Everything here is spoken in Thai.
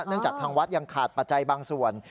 จากทางวัดยังขาดปัจจัยบางส่วน